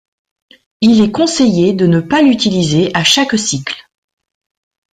Il est conseillé de ne pas l'utiliser à chaque cycle.